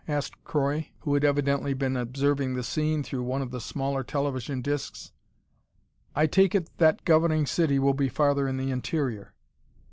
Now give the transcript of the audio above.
asked Croy, who had evidently been observing the scene through one of the smaller television discs. "I take it that governing city will be farther in the interior."